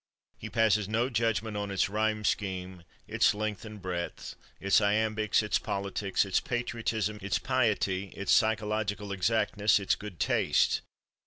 He passes no judgment on its rhyme scheme, its length and breadth, its iambics, its politics, its patriotism, its piety, its psychological exactness, its good taste.